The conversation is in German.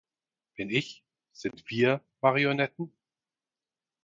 Bin ich, sind wir Marionetten?